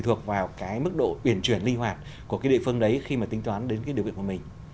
thuộc vào cái mức độ uyển chuyển linh hoạt của cái địa phương đấy khi mà tính toán đến cái điều kiện của mình